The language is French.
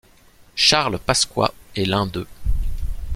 Charles Pasqua est l'un d'eux.